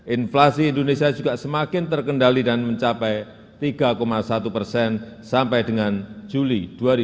inflasi indonesia juga semakin terkendali dan mencapai tiga satu persen sampai dengan juli dua ribu dua puluh